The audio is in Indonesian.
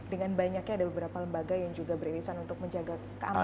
dengan banyaknya ada beberapa lembaga yang juga beririsan untuk menjaga keamanan